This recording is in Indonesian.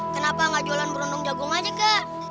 kenapa gak jualan berondong jagung aja kak